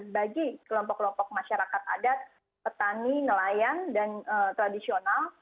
bagi kelompok kelompok masyarakat adat petani nelayan dan tradisional